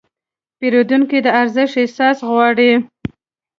پیرودونکي د ارزښت احساس غواړي.